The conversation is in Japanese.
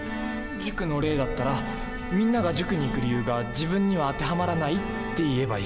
塾の例だったらみんなが塾に行く理由が自分には当てはまらないって言えばいい。